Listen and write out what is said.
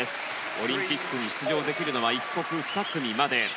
オリンピックに出場できるのは１国２組まで。